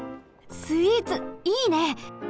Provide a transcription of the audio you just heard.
スイーツいいね！